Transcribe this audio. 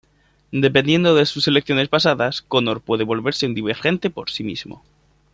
Dependiendo de sus elecciones pasadas, Connor puede volverse un divergente por sí mismo.